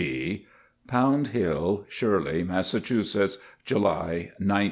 C. K. B. Pound Hill, Shirley, vMassachusetts, July, 1902.